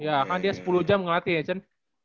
ya kan dia sepuluh jam ngelatih ya jen